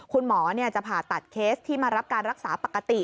คุณหมอจะผ่าตัดเคสที่มารับการรักษาปกติ